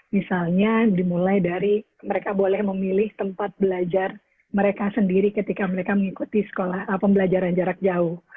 misalnya dimulai dari mereka boleh memilih tempat belajar mereka sendiri ketika mereka mengikuti sekolah pembelajaran jarak jauh